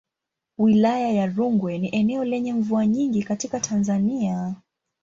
Wilaya ya Rungwe ni eneo lenye mvua nyingi katika Tanzania.